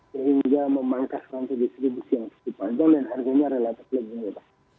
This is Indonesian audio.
sehingga memangkas rantai distribusi yang cukup panjang dan harganya relatif lebih murah